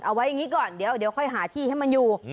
เอาไว้อย่างนี้ก่อนเดี๋ยวค่อยหาที่ให้มันอยู่